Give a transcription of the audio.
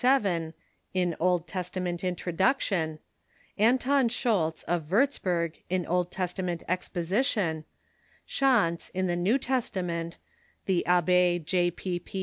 SV), in Old Testament introduction; Anton Scholz, of Wurz burg, in Old Testament exposition ; Schanz, in the New Tes tament; the Abbe J, P. P.